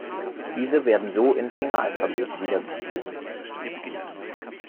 Diese werden so in Fingeralphabet wiedergegeben.